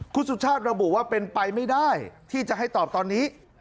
คุณสุชาติระบุว่าเป็นไปไม่ได้ที่จะให้ตอบตอนนี้